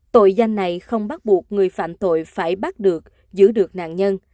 tội danh này không bắt buộc người phạm tội phải bắt được giữ được nạn nhân